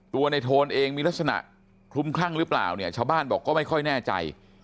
ตัวในโทนเองมีลักษณะคลุมคลั่งหรือเปล่าเนี่ยชาวบ้านบอกก็ไม่ค่อยแน่ใจ